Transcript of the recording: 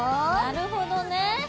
なるほどね。